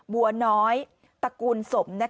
บัวน้อยตระกูลสม